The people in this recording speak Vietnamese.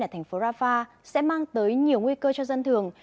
ở thành phố rafah sẽ mang tới nhiều nguy cơ cho dân thường